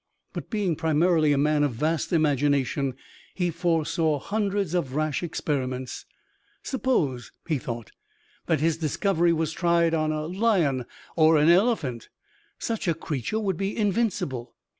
But, being primarily a man of vast imagination, he foresaw hundreds of rash experiments. Suppose, he thought, that his discovery was tried on a lion, or an elephant! Such a creature would be invincible.